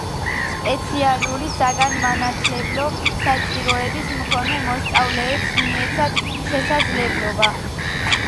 სპეციალური საგანმანათლებლო საჭიროების მქონე მოსწავლეებს მიეცათ შესაძლებლობა